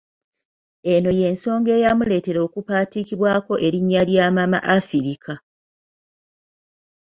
Eno y'ensonga eyamuleetera okupaatiikibwako erinnya lya "Mama Afirika"